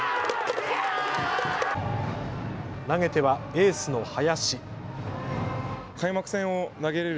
投げてはエースの林。